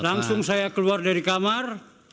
langsung saya keluar dari kamar